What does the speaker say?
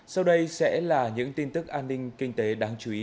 sau đây sẽ là những tin tức an ninh kinh tế đáng chú ý